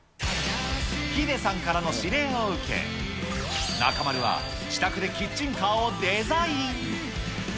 ヒデさんからの指令を受け、中丸は自宅でキッチンカーをデザイン。